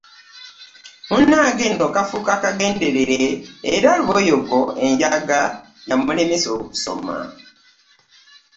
Munnange nno kaafuuka kagenderere, era Luboyogo enjaga yamulemesa okusoma.